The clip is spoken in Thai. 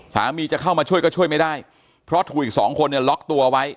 จะเข้ามาช่วยก็ช่วยไม่ได้เพราะถูกอีกสองคนเนี่ยล็อกตัวไว้